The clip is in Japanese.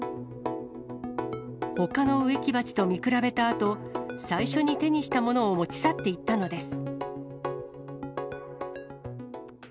ほかの植木鉢と見比べたあと、最初に手にしたものを持ち去っていったのです。